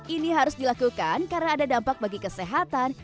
ini harus dilakukan karena ada dampak bagi kesehatan